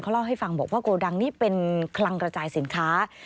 เล่าให้ฟังบอกว่าโกดังนี้เป็นคลังกระจายสินค้า